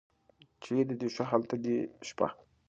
چېرې دې ښه هلته دې شپه.